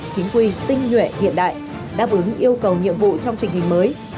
chính quy tinh nhuệ hiện đại đáp ứng yêu cầu nhiệm vụ trong tình hình mới